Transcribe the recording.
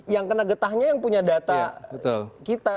yang kena getahnya yang punya data kita